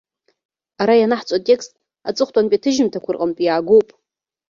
Ара ианаҳҵо атекст аҵыхәтәантәи аҭыжьымҭақәа рҟынтә иаагоуп.